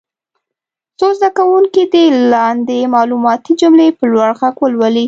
څو زده کوونکي دې لاندې معلوماتي جملې په لوړ غږ ولولي.